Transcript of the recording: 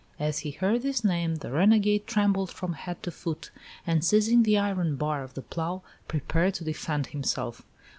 As he heard this name the renegade trembled from head to foot, and seizing the iron bar of the plough prepared to defend himself.